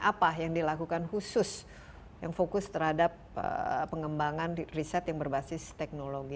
apa yang dilakukan khusus yang fokus terhadap pengembangan riset yang berbasis teknologi